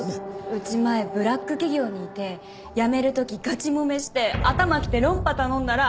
うち前ブラック企業にいて辞める時ガチもめして頭きて論破頼んだら。